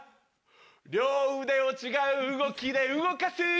両腕を違う動きで動かす